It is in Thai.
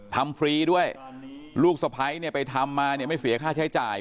ทำฟรีด้วยลูกสะพ้ายไปทำมาไม่เสียค่าใช้จ่าย